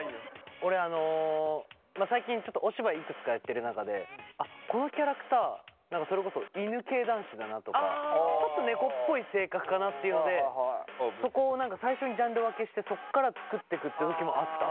俺最近ちょっとお芝居いくつかやってる中でこのキャラクターそれこそ犬系男子だなとかちょっと猫っぽい性格かなっていうのでそこを最初にジャンル分けしてそっから作ってくって時もあった。